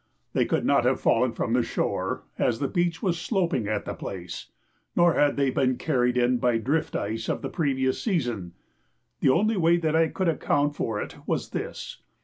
They could not have fallen from the shore, as the beach was sloping at the place, nor had they been carried in by drift ice of the previous season. The only way that I could account for it was this.